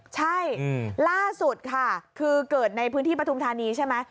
ใช่ล่าสุดค่ะคือเกิดในพื้นที่ปฐุมธานีใช่ไหม